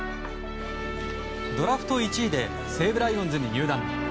ドラフト１位で西武ライオンズに入団。